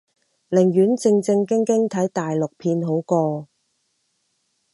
寧願正正經經睇大陸片好過